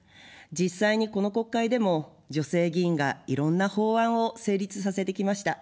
実際にこの国会でも女性議員がいろんな法案を成立させてきました。